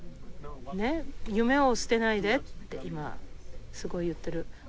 夢を捨てないで」って今すごい言ってる。